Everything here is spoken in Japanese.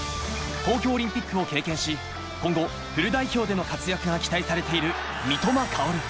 東京オリンピックを経験し、今後フル代表での活躍が期待されている三笘薫。